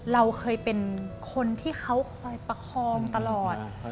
เราเคยเป็นคนที่เขาคอยประคองตลอด